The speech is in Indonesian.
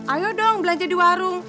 ayo dong belanja di warung